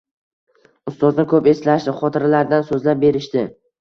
Ustozni ko’p eslashdi, xotiralardan so’zlab berishdi.